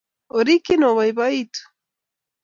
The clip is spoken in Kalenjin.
Orikyi oboibo-itu;